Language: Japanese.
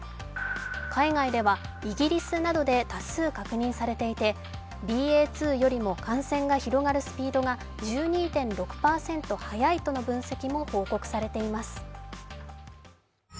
海外では、イギリスなどで多数確認されていてＢＡ．２よりも感染が広がるスピードが１２．６％速いとの分析も報告されています。